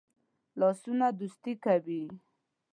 لاسونه دوستی کوي